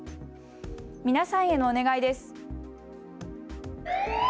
皆さんへのお願いです。